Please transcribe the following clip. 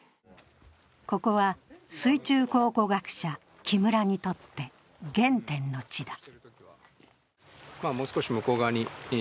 ここは、水中考古学者木村にとって原点の地だ。